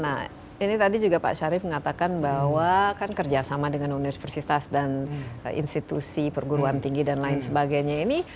nah ini tadi juga pak syarif mengatakan bahwa kan kerjasama dengan universitas dan institusi perguruan tinggi dan lain sebagainya ini